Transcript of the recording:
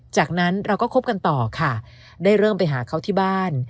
จากนั้นเราก็คบกันต่อค่ะได้เริ่มไปหาเขาที่บ้าน